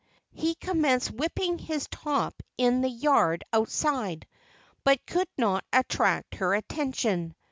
He commenced whipping his top in the yard outside, but could not attract her attention.